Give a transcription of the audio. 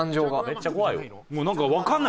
めっちゃ怖いよ。